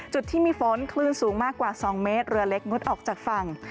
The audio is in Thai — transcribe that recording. จุดที่มีฝนคลื่นสูงมากกว่า๒เมตรเรือเล็กงดออกจากฝั่ง